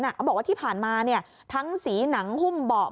เขาบอกว่าที่ผ่านมาทั้งสีหนังหุ้มเบาะ